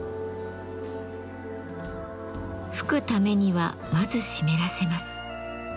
吹くためにはまず湿らせます。